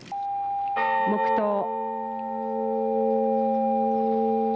黙とう。